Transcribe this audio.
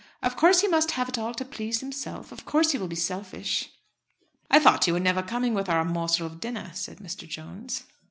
"Of course he must have it all to please himself. Of course he will be selfish." "I thought you were never coming with our morsel of dinner," said Mr. Jones.